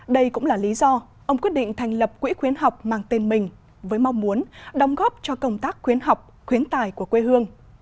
đây cũng là lý do ông quyết định thành lập quỹ khuyến học mang tên mình với mong muốn đóng góp cho công tác khuyến học khuyến tài của quê hương